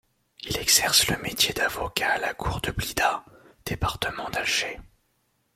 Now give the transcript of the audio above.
Il exerce le métier d’avocat à la cour de Blida, département d'Alger.